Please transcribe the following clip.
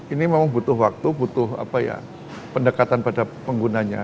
ini memang butuh waktu butuh pendekatan pada penggunanya